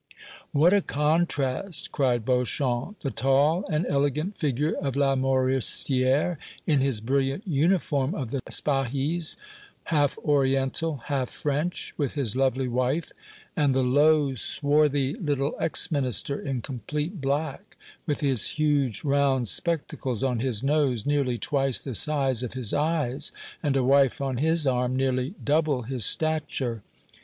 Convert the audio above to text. "What a contrast!" cried Beauchamp. "The tall and elegant figure of Lamoricière, in his brilliant uniform of the Spahis, half oriental, half French, with his lovely wife, and the low, swarthy little ex Minister in complete black, with his huge round spectacles on his nose nearly twice the size of his eyes, and a wife on his arm nearly double his stature.